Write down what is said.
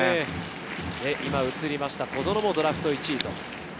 今映りました、小園もドラフト１位。